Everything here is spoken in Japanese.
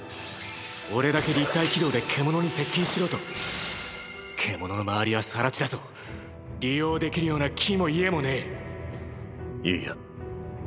俺だけ立体機動で獣に接近しろと⁉獣の周りは更地だぞ⁉利用できるような木も家もねぇ！！いいや。